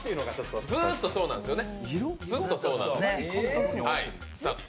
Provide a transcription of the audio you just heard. ずっとそうなんですよね。